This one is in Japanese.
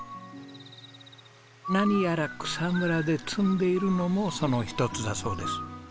何やら草むらで摘んでいるのもその一つだそうです。